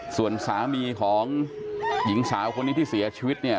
ส่วนสามีของหญิงสาวคนนี้ที่เสียชีวิตเนี่ย